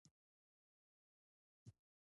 نه دا چې بې ځایه نیوکې وکړي.